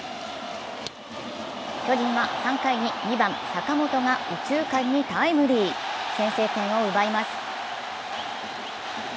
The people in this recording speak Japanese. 巨人は３回に２番・坂本が右中間にタイムリー、先制点を奪います。